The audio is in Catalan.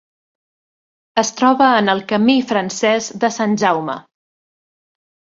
Es troba en el Camí francès de Sant Jaume.